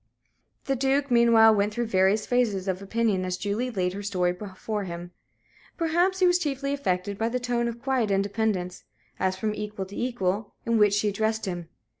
The Duke meanwhile went through various phases of opinion as Julie laid her story before him. Perhaps he was chiefly affected by the tone of quiet independence as from equal to equal in which she addressed him.